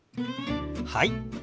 はい。